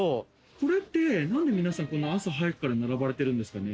これってなんで皆さんこんな朝早くから並ばれてるんですかね？